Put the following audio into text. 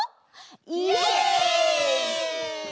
イエイ！